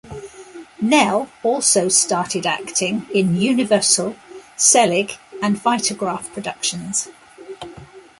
Nell also started acting in Universal, Selig and Vitagraph productions.